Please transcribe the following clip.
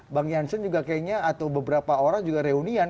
bang jansen juga kayaknya atau beberapa orang juga reunian